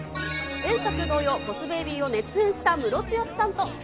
前作同様、ボス・ベイビーを熱演したムロツヨシさんと。